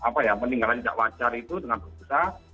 peninggalan tidak wajar itu dengan berputar